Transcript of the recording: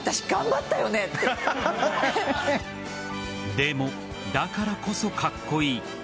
でも、だからこそカッコイイ。